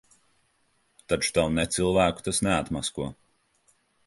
Taču tavu necilvēku tas neatmasko.